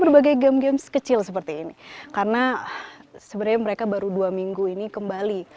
berbagai game game kecil seperti ini karena sebenarnya mereka baru dua minggu ini kembali